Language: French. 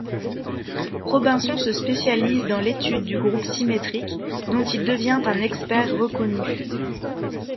Robinson se spécialise dans l'étude du groupe symétrique, dont il devient un expert reconnu.